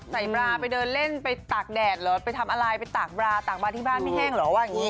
ใส่บลาไปเดินเล่นไปตากแดดหรอไปทำอะไรไปตากบลาตากบลาที่บ้านไม่แห้งหรอ